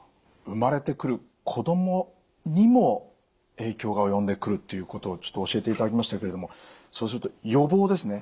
生まれてくる子供にも影響が及んでくるということをちょっと教えていただきましたけれどもそうすると予防ですね。